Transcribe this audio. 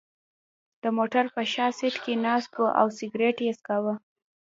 د موټر په شا سېټ کې ناست و او سګرېټ یې څکاو.